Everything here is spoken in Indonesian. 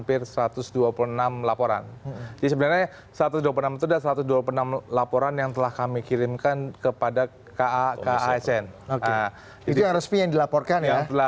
itu yang resmi yang dilaporkan ya